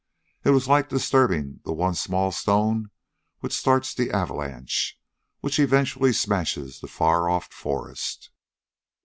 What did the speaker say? It was like disturbing the one small stone which starts the avalanche, which eventually smashes the far off forest.